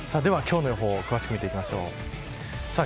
では今日の予報詳しく見ていきましょう。